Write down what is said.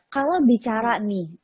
kalau bicara nih